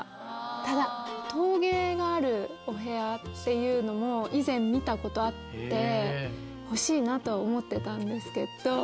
ただ陶芸があるお部屋っていうのも以前見たことあって欲しいなとは思ってたんですけど。